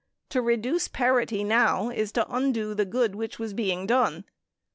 To reduce parity now is to undo the good which was being done.